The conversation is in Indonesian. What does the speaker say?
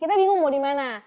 kita bingung mau di mana